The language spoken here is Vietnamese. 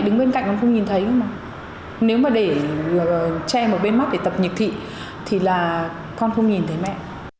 đứng bên cạnh không nhìn thấy không nếu để che một bên mắt tập nhược thị thì con không nhìn thấy mẹ